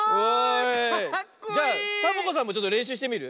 じゃサボ子さんもちょっとれんしゅうしてみる？